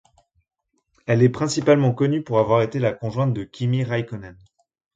Elle est principalement connue pour avoir été la conjointe de Kimi Räikkönen.